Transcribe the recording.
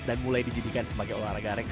dan mulai dijadikan sebagai olahraga yang terbaik